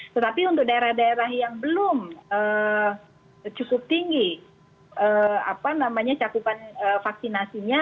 tetapi untuk daerah daerah yang belum cukup tinggi cakupan vaksinasinya